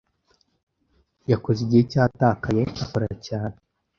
Yakoze igihe cyatakaye akora cyane.